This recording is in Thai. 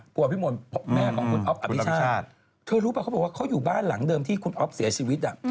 พี่มนต์แม่ของคุณอ๊อฟอภิชาติเธอรู้ป่ะเขาบอกว่าเขาอยู่บ้านหลังเดิมที่คุณอ๊อฟเสียชีวิต